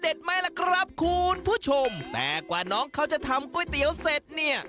ไหมล่ะครับคุณผู้ชมแต่กว่าน้องเขาจะทำก๋วยเตี๋ยวเสร็จเนี่ย